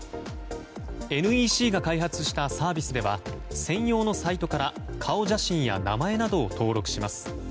ＮＥＣが開発したサービスでは専用のサイトから顔写真や名前などを登録します。